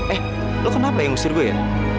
eh lo kenapa yang ngusir gue ya